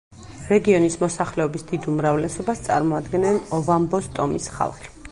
რეგიონის მოსახლეობის დიდ უმრავლესობას წარმოადგენენ ოვამბოს ტომის ხალხი.